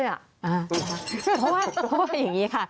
เพราะว่าอย่างนี้ค่ะ